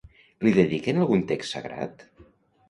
Li dediquen algun text sagrat?